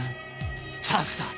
チャンスだ。